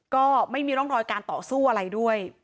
ก็ไม่มีร่องรอยการต่อสู้อะไรด้วย